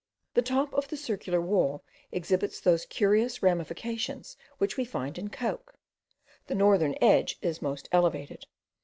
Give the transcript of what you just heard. The top of the circular wall exhibits those curious ramifications which we find in coke. The northern edge is most elevated.